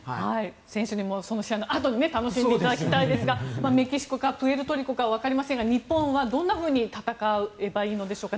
選手にもその試合のあとに楽しんでいただきたいですがメキシコかプエルトリコかは分かりませんが日本は、どんなふうに戦えばいいんでしょうか。